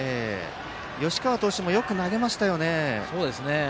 吉川投手もよく投げました。